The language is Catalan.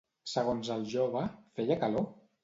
Segons el jove, feia calor?